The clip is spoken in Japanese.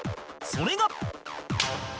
それが